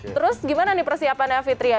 terus gimana nih persiapannya fitri ya